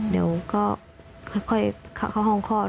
เดี๋ยวก็ค่อยเข้าห้องคลอด